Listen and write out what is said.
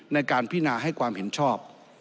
ในการพินาให้ความเห็นชอบ